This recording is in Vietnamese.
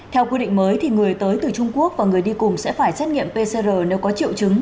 theo quy định mới người tới từ trung quốc và người đi cùng sẽ phải xét nghiệm pcr nếu có triệu chứng